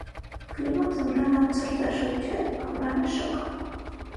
Կլիման ձմռանը ցրտաշուչ է, ամռանը՝ շոգ։